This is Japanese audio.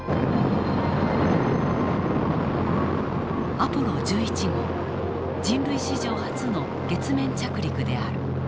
アポロ１１号人類史上初の月面着陸である。